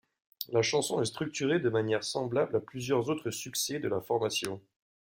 La chanson est structurée de manière semblable à plusieurs autres succès de la formation.